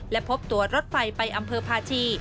และพบตัวรถไฟไปอำเภอภาชี